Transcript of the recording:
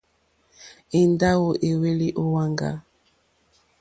Èndáwò èhwélì ó wàŋgá.